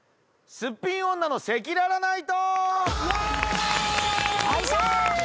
『すっぴん女の赤裸々ナイト』